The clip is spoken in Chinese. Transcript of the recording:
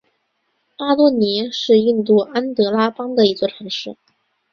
阿多尼是印度安得拉邦的一座城市。